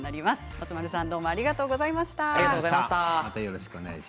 松丸さんありがとうございました。